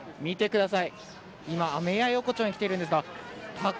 見てください。